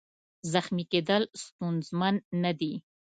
زخمي کېدل ستونزمن نه دي.